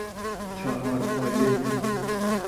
چهار پایه